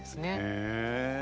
へえ。